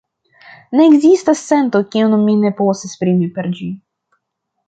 Ne ekzistas sento, kiun mi ne povas esprimi per ĝi.